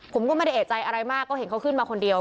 ผมก็ไม่ได้เอกใจอะไรมากก็เห็นเขาขึ้นมาคนเดียว